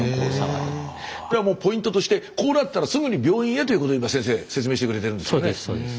これはポイントとしてこうなったらすぐに病院へということを今先生説明してくれてるんですよね。